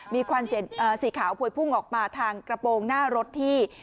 มีควันสีขาวพวยพุ่งออกมาทางกระโปรงหน้ารถที่